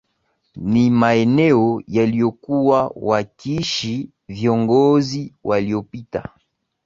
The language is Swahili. Ni maeneo yaliyokuwa wakiishi viongozi waliopita